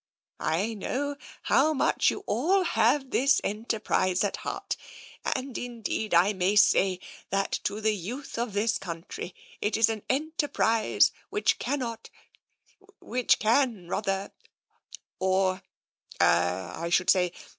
I know how much you all have this enterprise at heart, and, indeed, I may say that to the youth of this country, it is an enterprise which cannot — which can, rather, or — er — I should say cB.